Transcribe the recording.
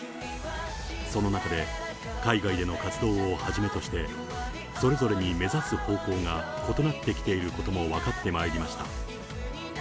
その中で、海外での活動をはじめとして、それぞれに目指す方向が異なってきていることも分かってまいりました。